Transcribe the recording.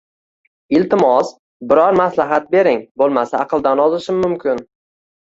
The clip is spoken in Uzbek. Iltimos, biror maslahat bering, bo‘lmasa aqldan ozishim mumkin.